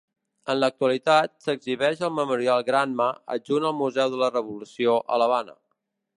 En l'actualitat s'exhibeix al Memorial Granma adjunt al Museu de la Revolució a l'Havana.